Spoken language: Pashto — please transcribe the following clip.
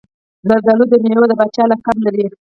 زردالو د میوې د پاچا لقب لري.